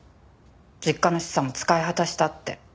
実家の資産も使い果たしたって。